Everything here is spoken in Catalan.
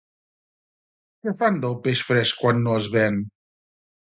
Que fan del peix fresc quan no es ven?